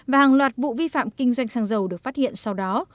và hàng loạt vụ vi phạm kinh doanh xăng dầu được phát hiện sau đó